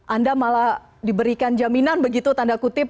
anda malah diberikan jaminan begitu tanda kutip